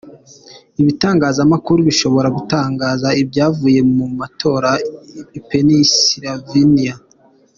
Ibitangazamakuru bishobora gutangaza ivyavuye mu matora i Pennsylvania.